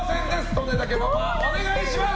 利根田家パパ、お願いします！